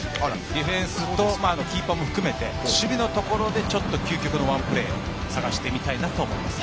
ディフェンスとキーパーも含めて守備のところで究極のワンプレーを探してみたいなと思います。